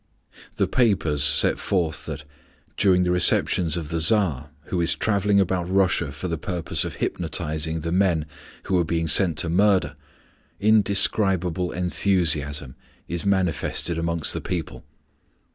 The papers set forth that, during the receptions of the Tsar, who is travelling about Russia for the purpose of hypnotizing the men who are being sent to murder, indescribable enthusiasm is manifested amongst the people.